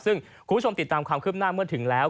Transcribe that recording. ซึ่งคุณผู้ชมติดตามความคืบหน้าเมื่อถึงแล้ว